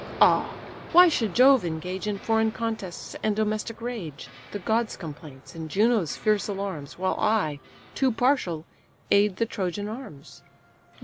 ah, why should Jove engage In foreign contests and domestic rage, The gods' complaints, and Juno's fierce alarms, While I, too partial, aid the Trojan arms?